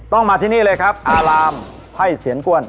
ต้องมาที่นี่เลยครับอารามไทยเสวียงก้วน